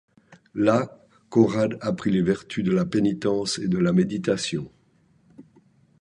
Là, Conrad apprit les vertus de la pénitence et de la méditation.